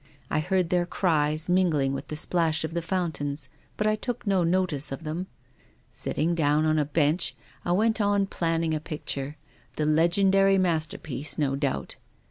I heard their cries mingling with the splash of tlie fountains, but I took no notice of them. Sitting down on a bench, I went on planning a picture — the legen dary masterpiece, no doubt.